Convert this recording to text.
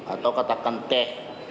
atau katakan teh